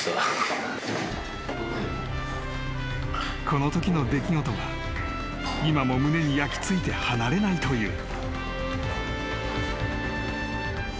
［このときの出来事が今も胸に焼き付いて離れないという］